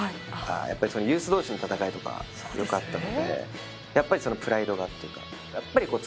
やっぱりユース同士の戦いとかよくあったのでやっぱりそのプライドがっていうか。